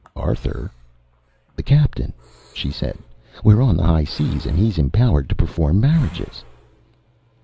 "Arthur?" "The captain," she said. "We're on the high seas and he's empowered to perform marriages."